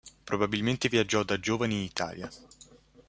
Probabilmente viaggiò da giovane in Italia.